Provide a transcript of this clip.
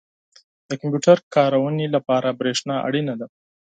• د کمپیوټر کارونې لپاره برېښنا اړینه ده.